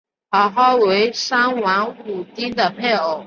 妇好为商王武丁的配偶。